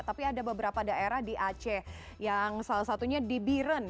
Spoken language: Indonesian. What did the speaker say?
tapi ada beberapa daerah di aceh yang salah satunya di biren